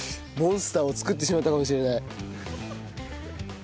モンスターを作ってしまったかもしれない。